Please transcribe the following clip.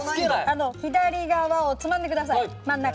左側をつまんでください真ん中。